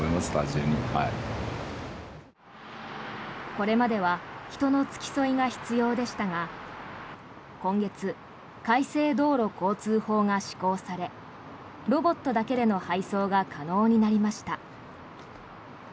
これまでは人の付き添いが必要でしたが今月、改正道路交通法が施行されロボットだけでの配送が可能になりました。